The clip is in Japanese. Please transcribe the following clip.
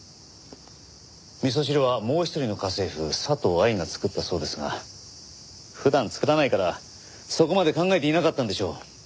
味噌汁はもう一人の家政婦佐藤愛が作ったそうですが普段作らないからそこまで考えていなかったんでしょう。